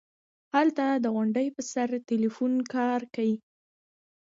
هلته د غونډۍ پر سر ټېلفون کار کيي.